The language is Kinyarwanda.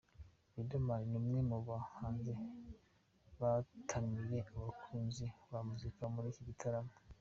Riderman ni umwe mu bahanzi bataramiye abakunzi ba muzika muri iki gitaramo.